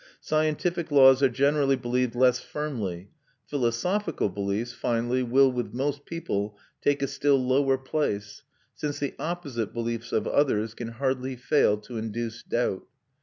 Scientific laws are generally believed less firmly.... Philosophical beliefs, finally, will, with most people, take a still lower place, since the opposite beliefs of others can hardly fail to induce doubt.